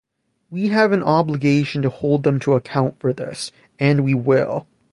We have an obligation to hold them to account for this, and we will.